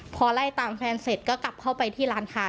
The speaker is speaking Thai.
พอไล่ตามแฟนเสร็จก็กลับเข้าไปที่ร้านค้า